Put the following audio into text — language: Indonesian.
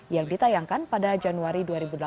yang ditayangkan pada januari dua ribu delapan belas